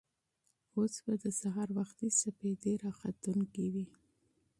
اوس نو د سهار وختي سپېدې راختونکې وې.